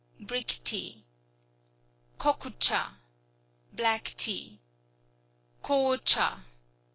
. Brick Tea Koku châ ... Black Tea Ko châ